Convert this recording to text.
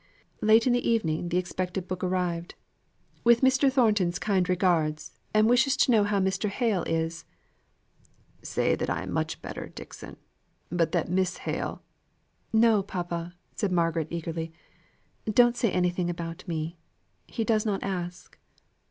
Late in the evening, the expected book arrived, "with Mr. Thornton's kind regards, and wishes to know how Mr. Hale is." "Say that I am much better, Dixon, but that Miss Hale " "No, papa," said Margaret, eagerly "don't say anything about me. He does not ask."